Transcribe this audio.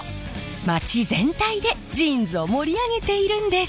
街全体でジーンズを盛り上げているんです。